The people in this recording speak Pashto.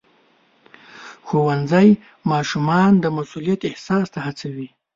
ښوونځی ماشومان د مسؤلیت احساس ته هڅوي.